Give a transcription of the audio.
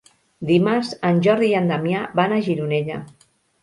Dimarts en Jordi i en Damià van a Gironella.